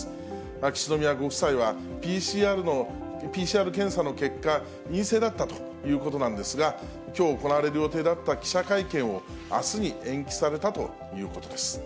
秋篠宮ご夫妻はＰＣＲ検査の結果、陰性だったということなんですが、きょう行われる予定だった記者会見をあすに延期されたということです。